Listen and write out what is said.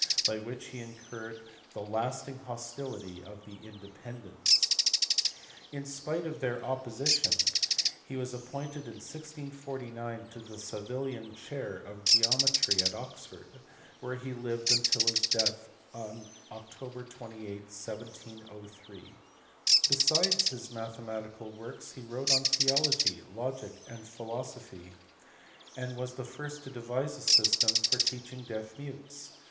by which he incurred the lasting hostility of the Independents. In spite of their oppo sition, he was appointed in 1649 to the Savilian chair of geometry at Oxford, where he lived until his death on Oct. 28, 1703. Besides his mathematical works he wrote on theology, logic, and philosophy ; and was the first to devise a system for teaching deaf mutes.